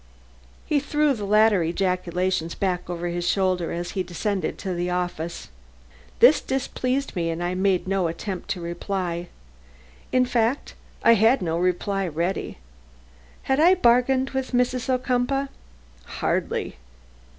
He threw the latter ejaculations back over his shoulder as he descended to the office. They displeased me, and I made no attempt to reply. In fact, I had no reply ready. Had I bargained with Mrs. Ocumpaugh? Hardly.